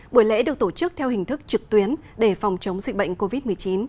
buổi lễ được tổ chức theo hình thức trực tuyến để phòng chống dịch bệnh covid một mươi chín